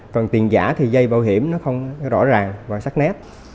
còn tiền giả thì dây bảo hiểm nó không rõ ràng và sắc nét